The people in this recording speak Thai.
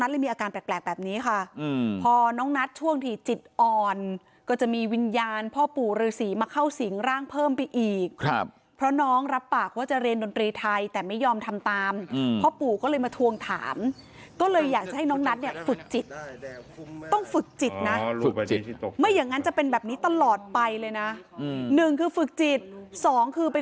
แบบนี้ค่ะเพราะน้องนัทช่วงจิตอ่อนจะมีวิญญาณพ่อปู่ฤษีมาเข้าสิงฮ์ร่างเพิ่มไปอีกพ่อน้องรับปากล้องจะเรียนดนตรีไทยแต่ไม่ยอมปฏิกษ์พ่อปู่มาถวงถามก็เลยอยากจะให้น้องนัทนี่ฝึกจิตไม่อย่างนั้นจะเป็นแบบนี้ตลอดไปเลยนะ